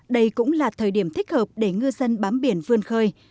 đây cũng là thời điểm thích hợp để ngư dân bám biển vươn khơi